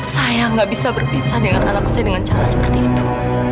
saya nggak bisa berpisah dengan anak saya dengan cara seperti itu